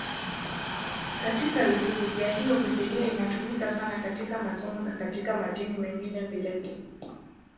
Katika liturujia hiyo Biblia inatumika sana katika masomo na katika matini mengine vilevile.